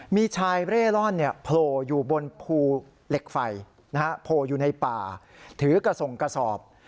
มีชายเร่ร่อนโผล่อยู่บนภูเหล็กไฟโผล่อยู่ในป่าถือกระส่งกระสอบ